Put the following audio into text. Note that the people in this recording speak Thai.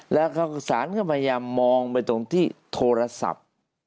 แลอามนึงเขาขึ้นสารมองไปตรงที่โทรศัพท์